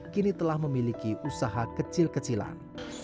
kini telah memiliki usaha kecil kecilan